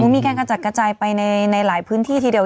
มีการกระจัดกระจายไปในหลายพื้นที่ทีเดียว